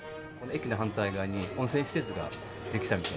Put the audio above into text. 駅の反対側に温泉施設ができたみたいですね。